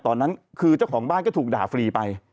ตอนนั้นคือเจ้าของบ้านก็ถูกด่าฟรีไป